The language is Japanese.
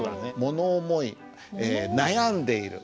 もの思い悩んでいる。